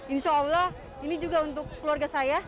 insya allah ini juga untuk keluarga saya